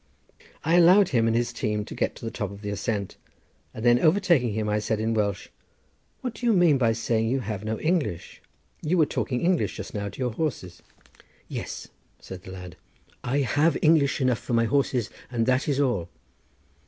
I allowed him and his team to get to the top of the ascent, and then overtaking him I said in Welsh: "What do you mean by saying you have no English? you were talking English just now to your horses." "Yes," said the lad, "I have English enough for my horses, and that is all."